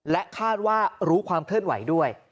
และคาดว่ารู้ความเคลื่อนไหวด้วย